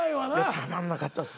たまんなかったです。